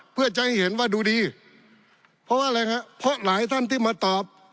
เพื่อจะให้เห็นว่าดูดีเพราะว่าอะไรฮะเพราะหลายท่านที่มาตอบ